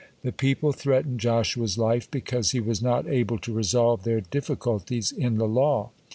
The people threatened Joshua's life, because he was not able to resolve their difficulties in the law.